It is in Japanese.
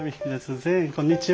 こんにちは！